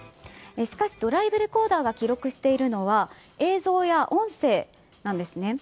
しかし、ドライブレコーダーが記録しているのは映像や音声なんですね。